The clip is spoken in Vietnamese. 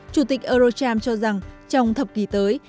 chủ tịch eurocharm cho rằng trong thập kỷ tới